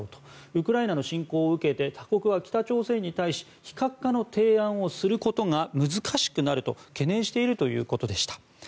ウクライナの侵攻を受けて他国は北朝鮮に対し非核化の提案をすることが難しくなると懸念しているということでした。